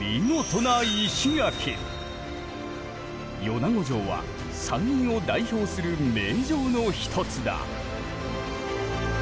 米子城は山陰を代表する名城の一つだ。